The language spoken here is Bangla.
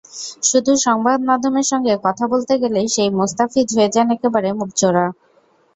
শুধু সংবাদমাধ্যমের সঙ্গে কথা বলতে গেলেই সেই মুস্তাফিজ হয়ে যান একেবারে মুখচোরা।